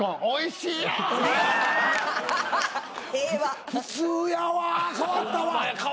おいしいよ！